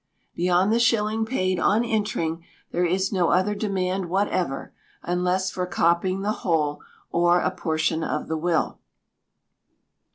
Beyond the shilling paid on entering, there is no other demand whatever, unless for copying the whole or a portion of the will.